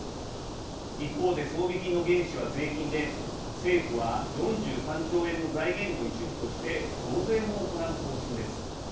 一方で装備品の原資は税金で政府は４３兆円の財源の一部として増税も行う方針です。